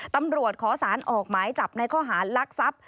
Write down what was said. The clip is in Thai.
ตำรวจขอสารออกหมายจับในข้อหารลักทรัพย์